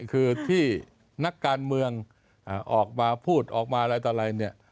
คือที่นักการเมืองออกมาพูดออกมาอะไรต่ออะไรเนี่ย